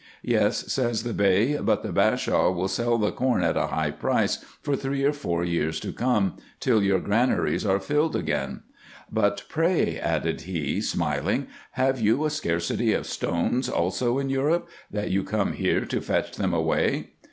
Yes, says the Bey, but the Bashaw will sell the corn at a high price for three or four years to come, till your granaries are filled again. " But pray," added he, smiling, " have you a scarcity of stones also in Europe, that you come here to fetch them away?"